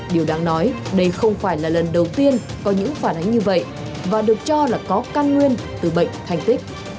điều đáng nói đây không phải là lần đầu tiên có những phản ánh như vậy và được cho là có căn nguyên từ bệnh thành tích